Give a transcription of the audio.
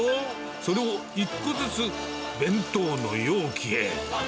それを１個ずつ弁当の容器へ。